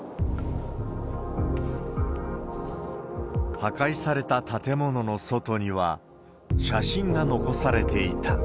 破壊された建物の外には、写真が残されていた。